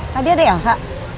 tadi ada elsa